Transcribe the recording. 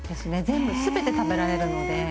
全部全て食べられるので。